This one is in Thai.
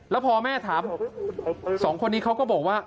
แล้วพอแม่ถามสองคนนี้เขาก็บอกว่า